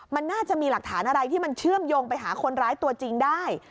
มันน่าจะมีหลักฐานอะไรที่มันเชื่อมโยงไปหาคนร้ายตัวจริงได้